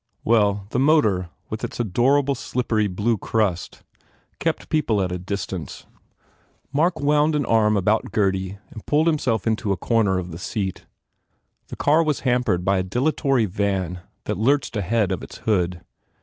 Well, the motor, with its adorable slippery blue crust, kept people at a dis 5 6 FULL BLOOM tance. Mark wound an arm about Gurdy and pulled himself into a corner of the seat. The car was hampered by a dilatory van that lurched ahead of its hood.